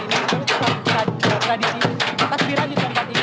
ini adalah tradisi takbiran di tempat ini